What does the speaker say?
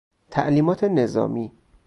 تعلیمات نظامی